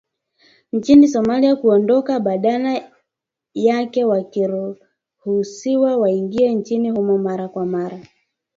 nchini Somalia kuondoka badala yake wakiruhusiwa waingie nchini humo mara kwa mara